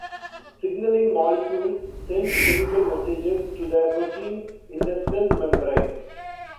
Signaling molecules send chemical messages to the proteins in the cell membrane.